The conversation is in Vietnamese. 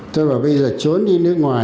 tôi bảo bây giờ trốn đi nước ngoài